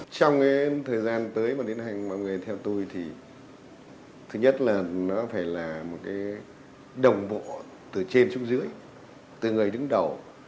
trong cái thời gian tới mà đến hành mọi người theo tôi thì thứ nhất là nó phải là một cái đồng bộ từ trên xuống dưới từ người đứng đầu